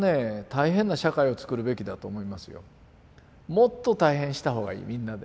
もっと大変した方がいいみんなで。